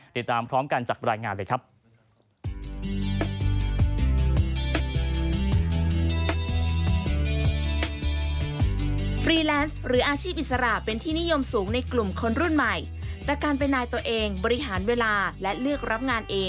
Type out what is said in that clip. ติดตามพร้อมกันจากรายงานเลยครับ